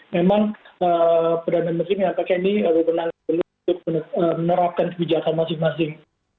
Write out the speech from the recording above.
memang perdana menteri yang pakai ini benar benar menerapkan kebijakan masing masing